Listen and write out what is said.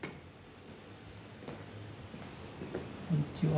こんにちは。